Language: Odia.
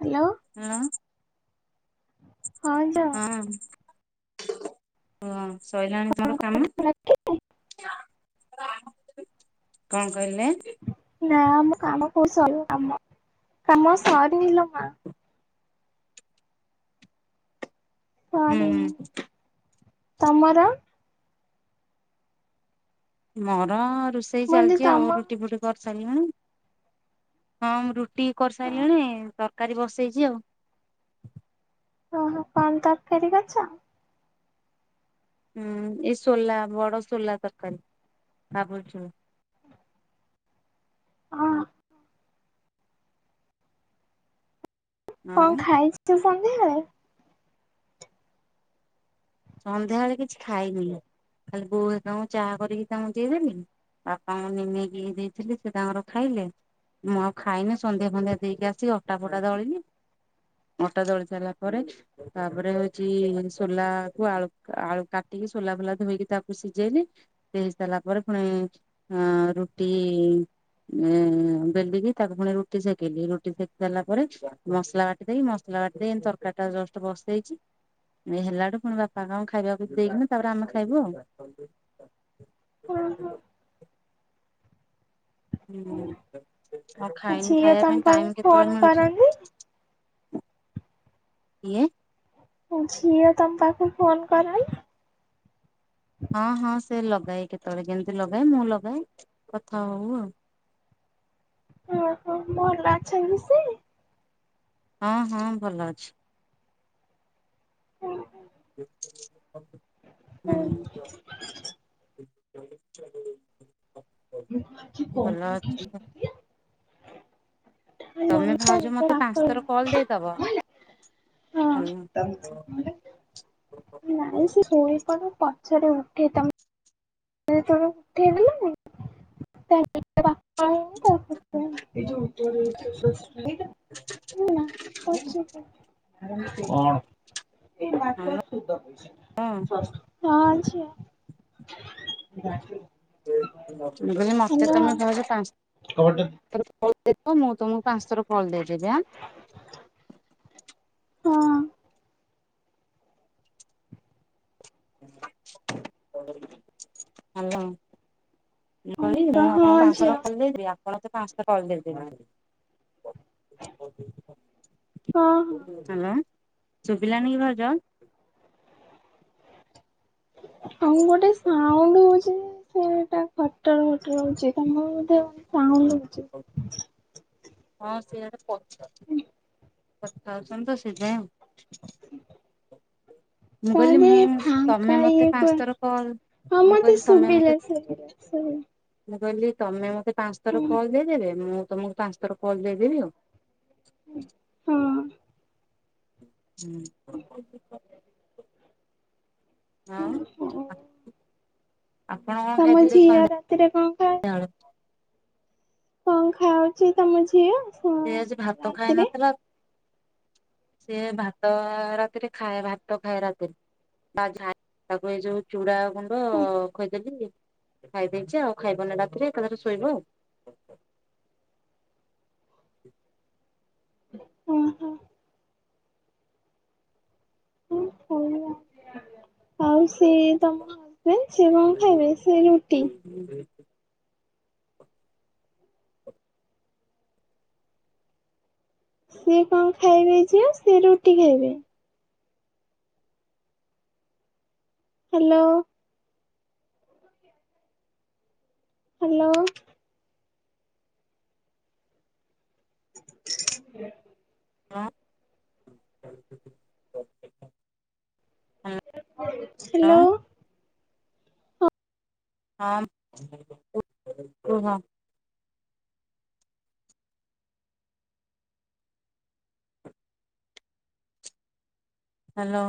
Hello hello. ହାଲୋ। ହଁ ଝି ହଁ। ହଁ ସରିଲାଣି ତର କାମ? କଣ କହିଲେ? ନା ଆମ କାମ କହୁ ସରିଲା କାମ କାମ ସରିିନି ଲୋ ମା। ହୁଁ ହୁଁ ସରିନି ତମର? ମୋର ରୋଷେଇ କହିଲି ଚାଲିଛି ଆଉ ତମ ରୁଟି ଫୁଟି କରିସାରିଲାଣି। ହଁ ମୁଁ ରୁଟି କରିସାରିଲିଣି ତରକାରୀ ବସେଇଛି ଆଉ। ଓହୋ କଣ ତରକାରୀ କରିଛ? ହୁଁ ଏଇ ସୋଲା ବଡ ସୋଲା ତରକାରୀ ଭାବୁଲଛୁ ହଁ। କଣ ଆଉ ଖାଇଛ ସନ୍ଧ୍ୟାବେଳେ? ସନ୍ଧ୍ୟାବେଳେ କିଛି ଖାଇନି ଖାଲି ବୋଉ ହେରିକାଙ୍କୁ ଚାହା କରିକି ତାଙ୍କୁ ଦେଇଦେଲି। ବାପାଙ୍କୁ ନିମିକି ଦେଇଥିଲି ସେ ତାଙ୍କର ଖାଇଲେ। ମୁଁ ଆଉ ଖାଇନି ସନ୍ଧ୍ୟା ସନ୍ଧ୍ୟା ଦେଇକି ଆସି ଅଟା ଫଟା ଦଳିନି। ଅଟା ଦଳି ସାରିଲା ପରେ ତାପରେ ହଉଛି ସୋଲା ଆଳୁ ଆଳୁ କାଟିକି ସୋଲା ଫୁଲା ଧୋଇକି ତାକୁ ସିଝେଇଲେ। ଦେଇ ସାରିଲା ପରେ ପୁଣି ଅ ରୁଟି ବେଲିକି ତାକୁ ପୁଣି ରୁଟି ସେକିଲିି ରୁଟି ସେକି ସାରିଲା ପରେ ମସଲା ବାଟି ମସଲା ଟା ପ୍ଲେନ ତରକାରୀ ଟା ଜଷ୍ଟ ବସେଇଛି ହେଲାଠୁ ପୁଣି ବାପା ବାପାଙ୍କୁ ଖାଇବାକୁ ଦେଇକିନା ତାପରେ ଆମେ ଖାଇବୁ ଆଉ। ହଁ ହଁ। ହୁଁ ଆଉ ଖାଇନି ଝିଅ ଖାଇବା ତମ ପାଇଁ ପାଖକୁ ଟାଇମ ଫୋନ କେତେବେଳେ କରନ୍ତି? ମିଳୁଛି। କିଏ? ଝିଅ ତମ ପାଖକୁ ଫୋନ କର ହଁ ହଁ ସେ ଲଗାଏ କେତେବେଳେ କେମିତି ଲଗାଏ ମୁଁ ଲଗାଏ କଥା ହଉ ଆଉ। ଓହୋ ଭଲ ଅଛନ୍ତି ସେ? ହଁ ହଁ ଭଲ ଅଛି। ହୁଁ। ହଁ ହୁଁ। [unintelligible] ମୁ କ ଭଲ ଅଛି [unintelligible] ତମେ ଭାଉଜ ମତେ ପାଞ୍ଚ ଥର କଲ ଦେଇଦବ। ହ୍ୟାଲୋ। ହଁ ମୁଁ ନାଇଁ ସେ ଶୋଇପ ପଛରେ ଉଠେଇ ତମେ ତଠବ [unintelligible] ହଟ ସୁପ [unintelligible] ହ ନା କରଛି [unintelligible] ସୁଧ ପଇସ ସ [unintelligible] ହଁ ଝିଅ। ହ [unintelligible] ମୁ କହିଲି ମତେ ତମେ ଭାଉଜ ପାଞ୍ଚ ଥର ମୁଁ ତମକୁ ପାଞ୍ଚ ଥର କଲ ଦେଇଦେବି ହଁ। ହଁ। ହ୍ୟାଲୋ। ମୁଁ କହିଲି ମୁଁ ଆପଣଙ୍କୁ ପାଞ୍ଚଥର କଲ ଦେଇଦେବି ଆପଣ ମତେ ପାଞ୍ଚ ଥର କଲ ଦେଇଦବେ। ହ୍ୟାଲୋ ଶୁଭିଲାନି କି ଭାଉଜ? କଣ ଗୋଟେ ସାଉଣ୍ଡ ହଉଛି। ସେଇଟା ଖଟର ଖଟର ହଉଚି। ତମର ବୋଧେ ସାଉଣ୍ଡ ହଉଛି। ହଁ ସେଆଡ଼େ ପଛ। କଥା ହେଉଛନ୍ତି ତ ସେଥିପାଇଁ ଆଉ। ମୁଁ ହ। କହିଲି ତମେ ମୁଁ ତମେ ଫାଙ୍କା ମତେ ଇଏ ପାଞ୍ଚ କୁ ଥର କଲ ହଁ ମୁଁ କହିଲି ମତେ ତମେ ମତେ ଶୁଭିଲା, ଶୁଭିଲା ଶୁଭିଲା। ମୁଁ କହିଲି ତମେ ମତେ ପାଞ୍ଚ ଥର ହଁ କଲ୍ ଦେଇଦେବେ। ମୁଁ ତମକୁ ପାଞ୍ଚ ଥର କଲ୍ ଦେଇଦେବି ଆଉ। ହଁ। ହୁଁ, ହଁ। ହୁଁ। ତମ ଝିଅ ରାତିରେ କଣ ଖାଏ। ସନ୍ଧ୍ୟାବେଳେ? କଣ ଖାଉଚି ତମ ଝିଅ? ସେ ଆଜି ଭାତ ଖାଇ ରାତିରେ? ନଥିଲା ସିଏ ଭାତ ରାତିରେ ଖାଏ ଭାତ ଖାଏ ରାତିରେ। ଆଉ ଝାଡ଼ା ତାକୁ ଯୋଉ ଚୁଡ଼ା ଗୁଣ୍ଡ ଖୁଏଇ ଦେଲି ଖାଇଦେଇଛି ଆଉ ଖାଇବନି ରାତିରେ ଏକାଥରେ ଶୋଇବ ଆଉ। ଓଁ ହୋ। ହଁ ହଉ ଆଉ। ଆଉ ସେ ତମ ହଜବେଣ୍ଡ ସିଏ କଣ ଖାଇବେ ସେ ରୁଟି? ହଁ ସିଏ କଣ ଖାଇବେ ଝିଅ ସିଏ ରୁଟି ଖାଇବେ? ହ୍ୟାଲୋ। ହ୍ୟାଲୋ। [inaudible] ହଁ। ହ୍ୟାଲୋ। ହଁମ୍ କୁ, କୁହ। ହ୍ୟାଲୋ।